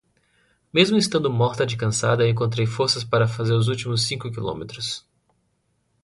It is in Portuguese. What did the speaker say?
Mesmo estando morta de cansada eu encontrei forças para fazer os últimos cinco quilômetros.